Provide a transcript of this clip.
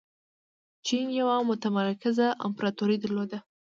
چین یوه متمرکزه امپراتوري درلوده.